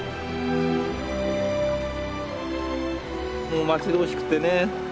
もう待ち遠しくてね３月。